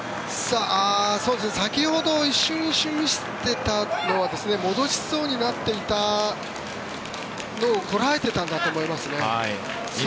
先ほど一瞬見せていたのは戻しそうになっていたのをこらえていたんだと思いますね。